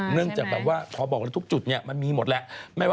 เนื่องจากทุกจุดมันมีหมดแล้ว